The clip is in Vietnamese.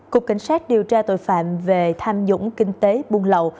cục cảnh sát điều tra tội phạm về tham nhũng kinh tế buôn lậu